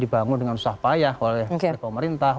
dibangun dengan susah payah oleh pemerintah